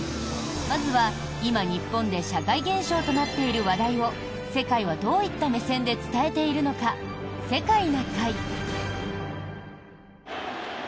まずは、今、日本で社会現象となっている話題を世界はどういった目線で伝えているのか「世界な会」。